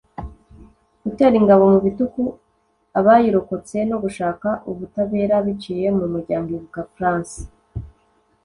gutera ingabo mu bitugu abayirokotse no gushaka ubutabera biciye mu Muryango Ibuka-France